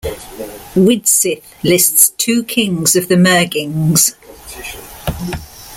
Widsith lists two kings of the Myrgings.